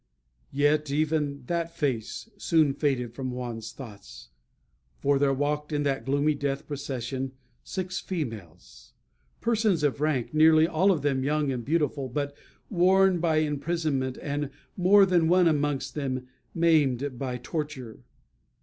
Yet even that face soon faded from Juan's thoughts. For there walked in that gloomy death procession six females persons of rank; nearly all of them young and beautiful, but worn by imprisonment, and more than one amongst them maimed by torture.